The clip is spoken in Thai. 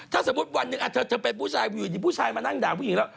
ถ้าสมมุติวันหนึ่งเธอเป็นผู้ชายอยู่ดีผู้ชายมานั่งด่าผู้หญิงแล้ว